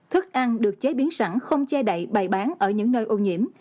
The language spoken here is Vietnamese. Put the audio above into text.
thức ăn được chế biến sẵn không che đậy bày bán ở những nơi ô nhiễm